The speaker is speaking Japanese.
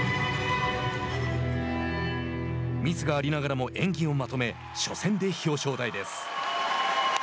ミスがありながらも演技をまとめ初戦で表彰台です。